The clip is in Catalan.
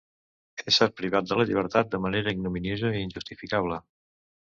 Ésser privat de la llibertat de manera ignominiosa i injustificable.